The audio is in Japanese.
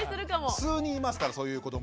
数人いますからそういう子ども。